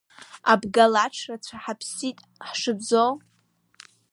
Абгалаџ рацәа ҳаԥсит ҳшыбзоу!